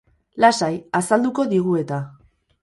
Lasai, azalduko digu eta!